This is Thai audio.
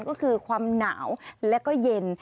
ก็คือความหนาวแล้วก็เย็น